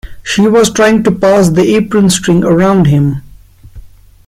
She was trying to pass the apron string around him.